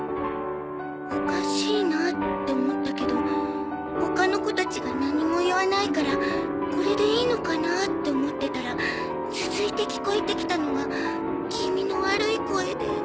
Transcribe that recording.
「おかしいな」って思ったけど他の子たちが何も言わないから「これでいいのかな？」って思ってたら続いて聞こえてきたのが気味の悪い声で。